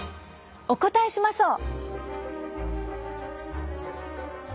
お答えしましょう。